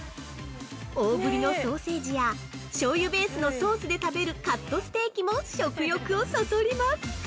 大ぶりのソーセージやしょうゆベースのソースで食べるカットステーキも食欲をそそります！